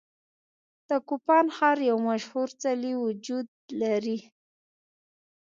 د کوپان ښار یو مشهور څلی وجود لري.